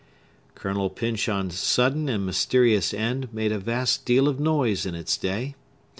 Colonel Pyncheon's sudden and mysterious end made a vast deal of noise in its day.